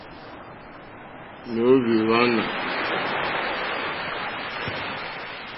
Nǒhwì hwánà.